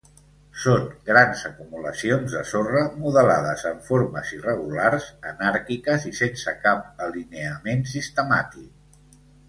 Són grans acumulacions de sorra modelades en formes irregulars, anàrquiques i sense cap alineament sistemàtic.